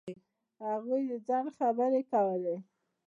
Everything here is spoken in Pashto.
هغوی د ځنډ خبرې کولې.